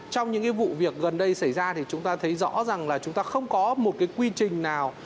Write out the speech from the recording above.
trong những cái vụ việc gần đây xảy ra thì chúng ta thấy rõ ràng là chúng ta không có một cái quy trình nào